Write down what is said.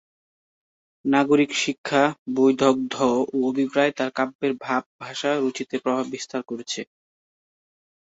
নাগরিক শিক্ষা, বৈদগ্ধ্য ও অভিপ্রায় তাঁর কাব্যের ভাব-ভাষা-রুচিতে প্রভাব বিস্তার করেছে।